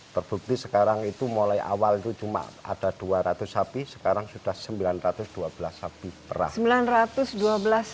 terbukti sekarang itu mulai awal itu cuma ada dua ratus sapi sekarang sudah sembilan ratus dua belas sapi perah